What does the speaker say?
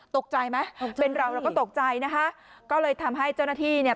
ตกใจไหมเป็นเราเราก็ตกใจนะคะก็เลยทำให้เจ้าหน้าที่เนี่ย